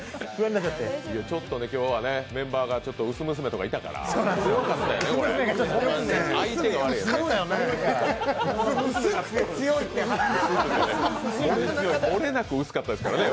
ちょっと今日はメンバーが薄娘とかいたから、薄かったよね。